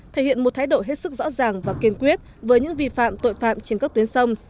thể hiện một thái độ hết sức rõ ràng và kiên quyết với những vi phạm tội phạm trên các tuyến sông